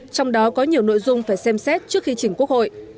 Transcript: trong đó có nhiều nội dung phải xem xét trước khi chỉnh quốc hội